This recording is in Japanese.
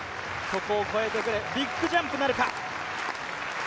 ここを超えてくる、ビッグジャンプなるか。